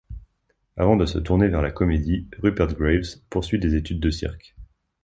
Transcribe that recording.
Avant de se tourner vers la comédie, Rupert Graves poursuit des études de cirque.